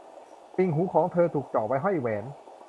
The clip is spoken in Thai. ติ่งหูของเธอถูกเจาะไว้ห้อยแหวน